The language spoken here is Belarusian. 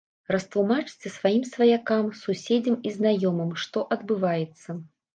Растлумачце сваім сваякам, суседзям і знаёмым, што адбываецца.